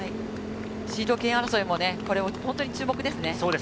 シード権争いも注目ですね。